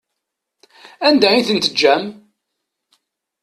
Anda i tent-teǧǧam?